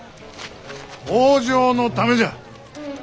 北条のためじゃ。